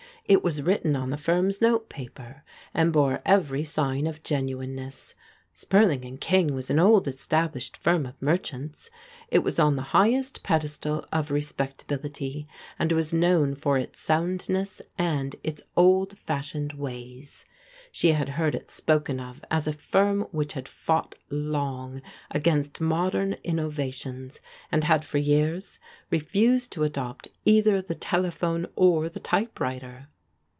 It was writ ten on the firm's note paper, and bore every sign of genuineness. Spurling and King was an old established firm of merchants. It was on the highest pedestal of respectability, and was known for its soundness and its old fashioned ways. She had heard it spoken of as a firm which had fought long against modem innovations, and had for years refused to adopt either the telephone or the typewriter.